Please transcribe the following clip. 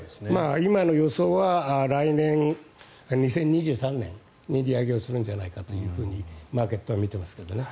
今の予想は来年２０２３年に利上げをするんじゃないかとマーケットは見ていますね。